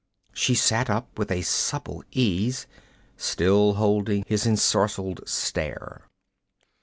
She sat up with a supple ease, still holding his ensorceled stare.